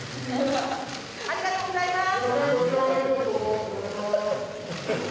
ありがとうございます。